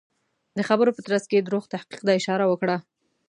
د خبرو په ترڅ کې دروغ تحقیق ته اشاره وکړه.